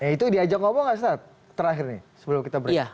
itu diajak ngomong nggak ustaz terakhir nih sebelum kita beritahu